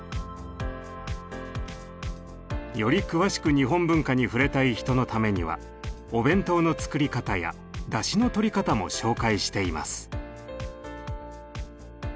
より詳しく日本文化に触れたい人のためにはお弁当の作り方やだしのとり方も紹介しています。